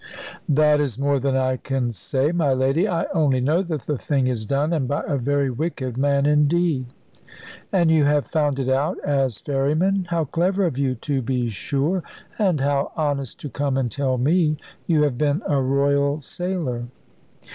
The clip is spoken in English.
"That is more than I can say, my lady. I only know that the thing is done, and by a very wicked man indeed." "And you have found it out, as ferryman? How clever of you, to be sure! And how honest to come and tell me! You have been a royal sailor?"